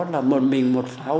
là một mình một pháo